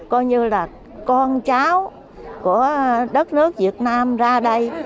coi như là con cháu của đất nước việt nam ra đây